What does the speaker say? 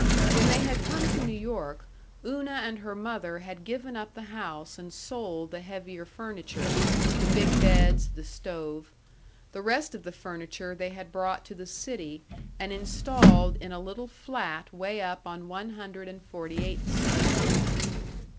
When they had come to New York, Una and her mother had given up the house and sold the heavier furniture, the big beds, the stove. The rest of the furniture they had brought to the city and installed in a little flat way up on 148th Street.